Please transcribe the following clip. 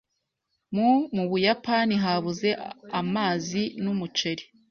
Mu , mu Buyapani habuze amazi n'umuceri.